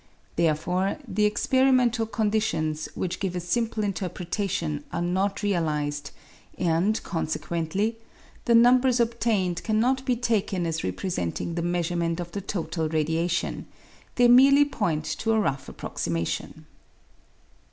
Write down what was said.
Therefore the experimental conditions which give a simple interpretation are not realised, and, consequently, the numbers obtained cannot be taken as representing the measurement of the total radiation ; they merely point to a rough approxi mation.